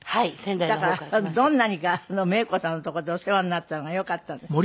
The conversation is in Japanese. だからどんなにかメイコさんのとこでお世話になったのがよかったんですって？